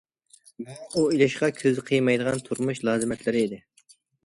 بۇ، ئۇ ئېلىشقا كۆزى قىيمايدىغان تۇرمۇش لازىمەتلىرى ئىدى.